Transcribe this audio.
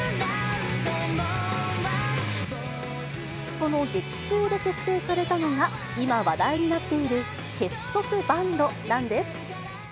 その劇中で結成されたのが、今、話題になっている結束バンドなんです。